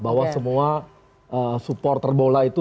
bahwa semua supporter bola itu